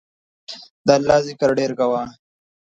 د الله ذکر ډیر کوه